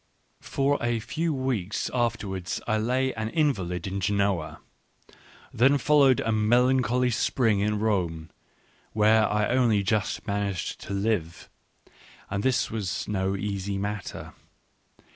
For a few weeks afterwards I lay an invalid in Genoa. Then followed a melancholy spring in Rome, where I only just managed to live — and this was no easy matter.